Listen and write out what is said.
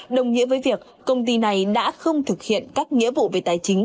đồng nghĩa với việc công ty này đã không thực hiện các nghĩa vụ về tài chính